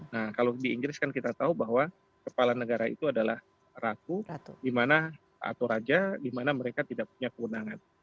nah kalau di inggris kan kita tahu bahwa kepala negara itu adalah ratu atau raja dimana mereka tidak punya keundangan